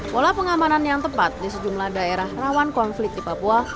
pola pengamanan yang tepat di sejumlah daerah rawan konflik di papua